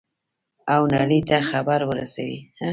او نړۍ ته خیر ورسوي.